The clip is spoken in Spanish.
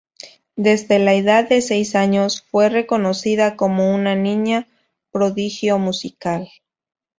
Desde la edad de seis años, fue reconocida como una niña prodigio musical.